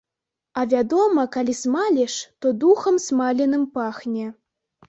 А, вядома, калі смаліш, то духам смаленым пахне.